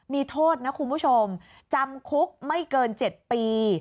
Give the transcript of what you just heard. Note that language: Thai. มีโทษนะคุณผู้ชมจำคุกไม่เกิน๗ปี